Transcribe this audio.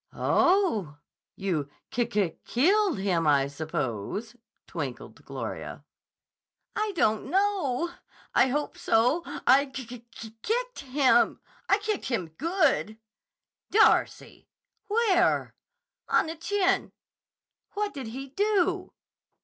"Oh! You ki ki killed him, I suppose," twinkled Gloria. "I don't know. I hope so. I ki ki kicked him. I kicked him good!" "Darcy! Where?" "On the chin." "What did he do?"